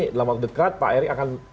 dalam waktu dekat pak erick akan